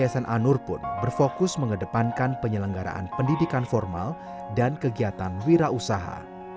dan misi yayasan anur pun berfokus mengedepankan penyelenggaraan pendidikan formal dan kegiatan wirausaha